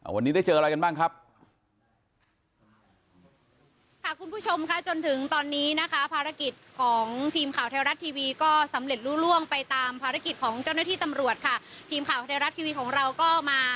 วันนี้ได้เจออะไรกันบ้างครับ